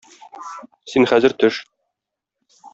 Син хәзер төш.